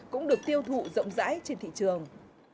cũng được tiêu thụ rộng rãi trên thị trường